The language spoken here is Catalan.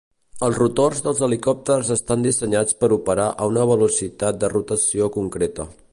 Els rotors dels helicòpters estan dissenyats per operar a una velocitat de rotació concreta.